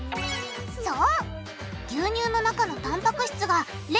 そう！